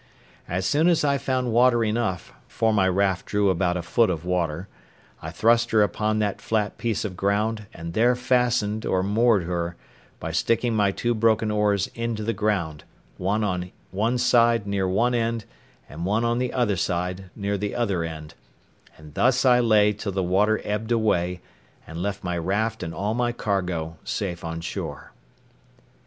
As soon as I found water enough—for my raft drew about a foot of water—I thrust her upon that flat piece of ground, and there fastened or moored her, by sticking my two broken oars into the ground, one on one side near one end, and one on the other side near the other end; and thus I lay till the water ebbed away, and left my raft and all my cargo safe on shore.